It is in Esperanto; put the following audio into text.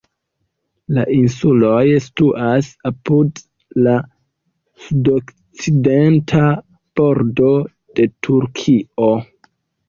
La insuloj situas apud la sudokcidenta bordo de Turkio.